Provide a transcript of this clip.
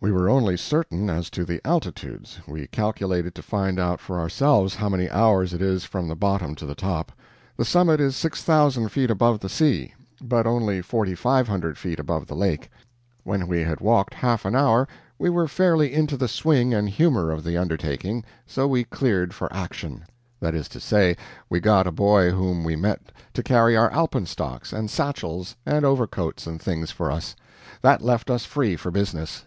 We were only certain as to the altitudes we calculated to find out for ourselves how many hours it is from the bottom to the top. The summit is six thousand feet above the sea, but only forty five hundred feet above the lake. When we had walked half an hour, we were fairly into the swing and humor of the undertaking, so we cleared for action; that is to say, we got a boy whom we met to carry our alpenstocks and satchels and overcoats and things for us; that left us free for business.